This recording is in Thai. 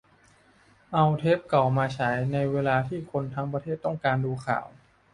เอาเทปเก่ามาฉาย ในเวลาที่คนทั้งประเทศต้องการดูข่าว